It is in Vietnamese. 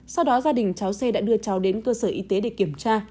sau đó gia đình cháu c đã đưa cháu đến cơ sở y tế để kiểm tra